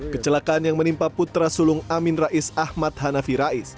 kecelakaan yang menimpa putra sulung amin rais ahmad hanafi rais